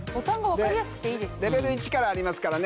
レベル１からありますからね